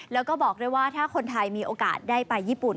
แล้วก็บอกด้วยว่าถ้าคนไทยมีโอกาสได้ไปญี่ปุ่น